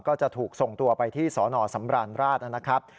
ก็จะถูกส่งตัวไปที่สนสำราญราชนะครับ